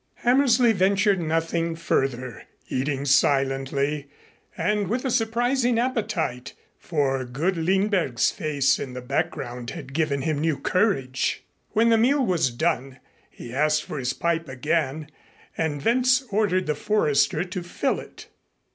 Hammersley ventured nothing further, eating silently, and with a surprising appetite, for good Lindberg's face in the background had given him new courage. When the meal was done, he asked for his pipe again and Wentz ordered the Forester to fill it.